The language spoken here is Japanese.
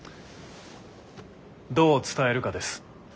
どう伝えるかです。